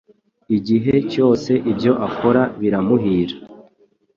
Igihe cyose ibyo akora biramuhira